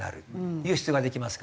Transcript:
輸出ができますからね。